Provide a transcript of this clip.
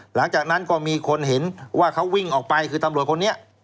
หลังจากนั้นก็มีคนเห็นว่าเขาวิ่งออกไปคือตำรวจคนนี้